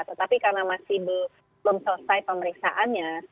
tetapi karena masih belum selesai pemeriksaannya